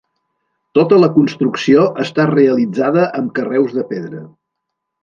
Tota la construcció està realitzada amb carreus de pedra.